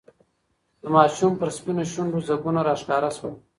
د ماشوم پر سپینو شونډو ځگونه راښکاره شول.